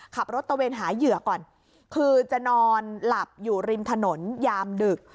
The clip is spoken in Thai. ขับรถตะเวนหาเหยื่อก่อนคือจะนอนหลับอยู่ริมถนนยามดึก